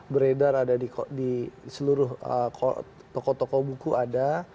beredar ada di seluruh toko toko buku ada